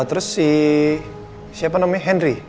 terus si siapa namanya henry